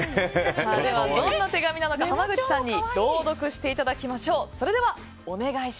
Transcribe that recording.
どんな手紙か濱口さんに朗読していただきましょう。